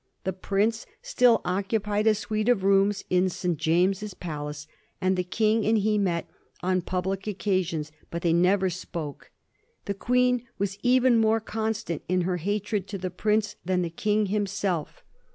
The princi' sj'll occupied a suite of rooms in St. James's Palaci?, ami the King and he met on public occasions, but they ntvcr s^ioke. The Queen was even more constant in her hatred to the prince than the King himself.